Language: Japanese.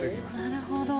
なるほど。